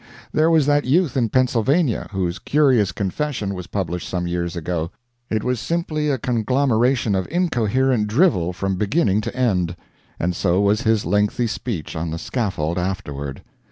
There was that youth in Pennsylvania, whose curious confession was published some years ago. It was simply a conglomeration of incoherent drivel from beginning to end, and so was his lengthy speech on the scaffold afterward.